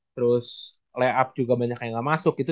terus layout juga banyak yang gak masuk gitu